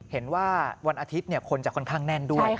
เห็นว่าวันอาทิตย์คนจะค่อนข้างแน่นด้วย